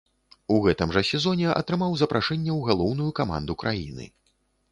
У гэтым жа сезоне атрымаў запрашэнне ў галоўную каманду краіны.